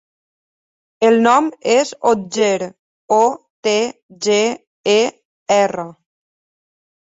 El nom és Otger: o, te, ge, e, erra.